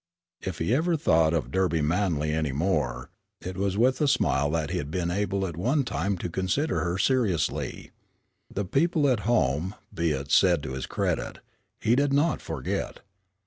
If he ever thought of Dely Manly any more, it was with a smile that he had been able at one time to consider her seriously. The people at home, be it said to his credit, he did not forget.